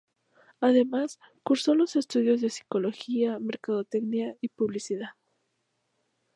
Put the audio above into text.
Además, cursó los estudios de Psicología, Mercadotecnia y Publicidad.